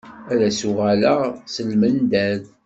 Ad as-uɣalaɣ s lmendad.